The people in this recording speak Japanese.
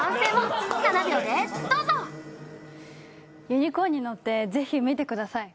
「ユニコーンに乗って」、ぜひ見てください。